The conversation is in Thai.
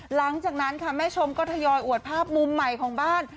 หลังจากนั้นค่ะแม่ชมก็ทยอยอวดภาพมุมใหม่ของบ้าน